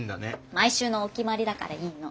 毎週のお決まりだからいいの。